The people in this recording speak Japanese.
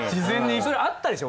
それあったでしょ？